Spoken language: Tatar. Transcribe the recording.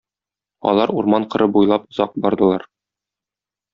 Алар урман кыры буйлап озак бардылар.